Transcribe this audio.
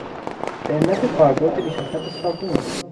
به علت کاربرد بیش از حد صابون